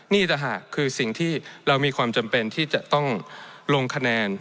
นี่ต่างหากคือสิ่งที่เรามีความจำเป็นที่จะต้องลงคะแนน